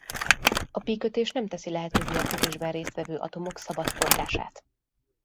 A pi-kötés nem teszi lehetővé a kötésben részt vevő atomok szabad forgását.